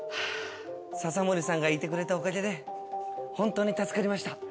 ササモリさんがいてくれたおかげで本当に助かりました。